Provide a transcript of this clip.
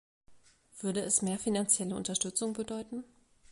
Würde es mehr finanzielle Unterstützung bedeuten?